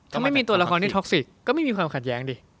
ถ้าไม่มีตัวละครที่ท็อกซิกก็ไม่มีความขัดแย้งดิ